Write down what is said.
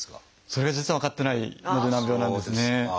それが実は分かってないので難病なんですね。